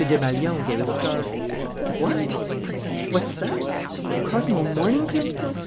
Desmalions gave a start. "What! What's that? Cosmo Mornington